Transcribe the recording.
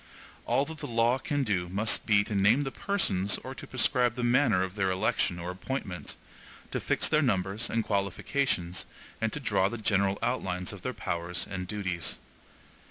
All that the law can do must be to name the persons or to prescribe the manner of their election or appointment, to fix their numbers and qualifications and to draw the general outlines of their powers and duties.